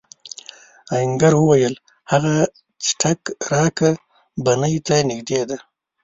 آهنګر وویل هغه څټک راکړه بنۍ ته نږدې دی.